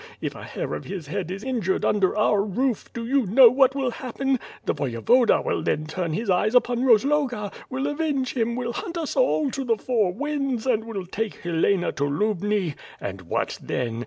If a hair of his head is in jured under our roof, do you know what will happen? The Voyevoda will then turn his eyes upon Rozloga, will avenge him, will hunt us all to the four winds, and will take Helena to Lubni — ^and what then?